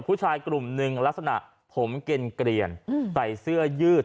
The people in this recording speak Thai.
ผู้ชายกลุ่มหนึ่งลักษณะผมเกลียนใส่เสื้อยืด